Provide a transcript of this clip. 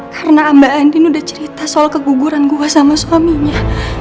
karena mbak andin udah cerita soal keguguran gue sama suaminya